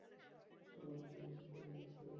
আশেপাশে কোনো শিকারী আছে?